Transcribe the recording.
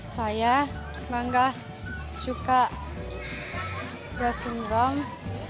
saya bangga suka down syndrome